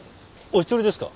お一人ですか？